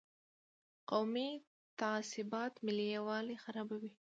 قومي تعصبات ملي یووالي خرابوي.